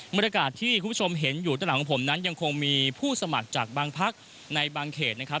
บรรยากาศที่คุณผู้ชมเห็นอยู่ด้านหลังของผมนั้นยังคงมีผู้สมัครจากบางพักในบางเขตนะครับ